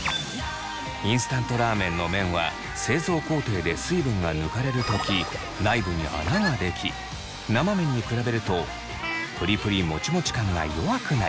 インスタントラーメンの麺は製造工程で水分が抜かれる時内部に穴ができ生麺に比べるとプリプリもちもち感が弱くなります。